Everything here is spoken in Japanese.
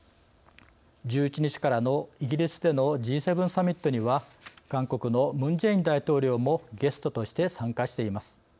１１日からのイギリスでのＧ７サミットには韓国のムン・ジェイン大統領もゲストとして参加しています。